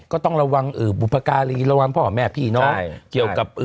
ก็ต้องระวังบุพการีระวังพ่อแม่พี่น้องเกี่ยวกับ